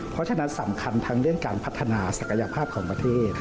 เพราะฉะนั้นสำคัญทั้งเรื่องการพัฒนาศักยภาพของประเทศ